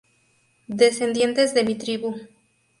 Descendientes de mi tribu.